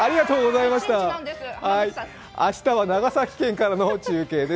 明日は長崎県からの中継です。